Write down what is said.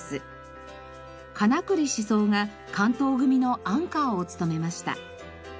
金栗四三が関東組のアンカーを務めました。